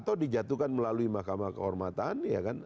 atau dijatuhkan melalui mahkamah kehormatan ya kan